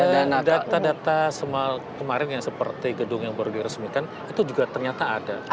dan data data semal kemarin seperti gedung yang baru diresmikan itu juga ternyata ada